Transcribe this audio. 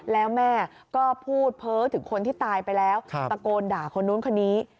แล้วแม่ก็พูดเพ้อถึงคนที่ตายไปแล้วตะโกนด่าคนนู้นคนนี้